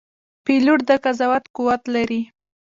پیلوټ د قضاوت قوت لري.